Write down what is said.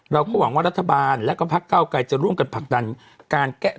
เราก็หวังว่ารัฐบาลและก็พักเก้าไกรจะร่วมกันผลักดันการแก้